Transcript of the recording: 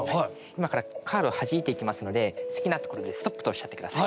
今からカードをはじいていきますので好きなところで「ストップ」とおっしゃって下さい。